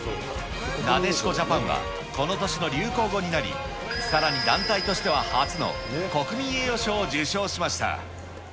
なでしこジャパンはこの年の流行語になり、さらに団体としては初の国民栄誉賞を受賞しました。